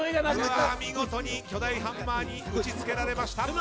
見事に巨大ハンマーに打ち付けられました。